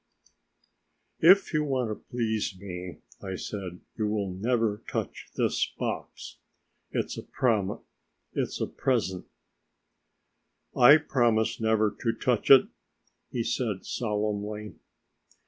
"If you want to please me," I said, "you will never touch this box ... it's a present." "I promise never to touch it," he said solemnly.